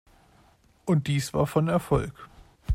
Und dies war von Erfolg.